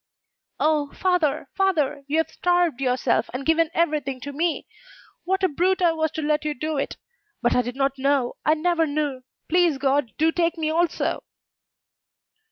"Oh, father, father, you have starved yourself, and given every thing to me! What a brute I was to let you do it! But I did not know; I never knew! Please God to take me also!"